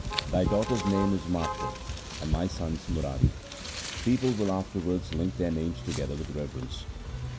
Thy daughter's name is Matho and my son's Murari. People will afterwards link their names together with reverence.